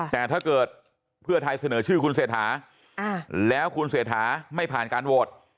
แต่ถ้าเกิดเพื่อไทยเสนอชื่อคุณเศรษฐาแล้วคุณเศรษฐาไม่ผ่านการโหวต